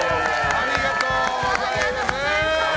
ありがとうございます！